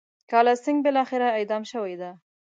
کالاسینګهـ بالاخره اعدام شوی دی.